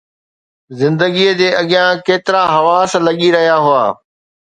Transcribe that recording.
زندگيءَ جي اڳيان ڪيترا حواس لڳي رهيا هئا